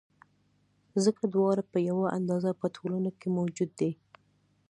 ځکه دواړه په یوه اندازه په ټولنه کې موجود دي.